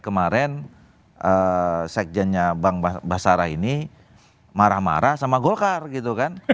kemarin sekjennya bang basarah ini marah marah sama golkar gitu kan